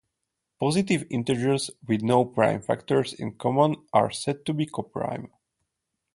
Positive integers with no prime factors in common are said to be coprime.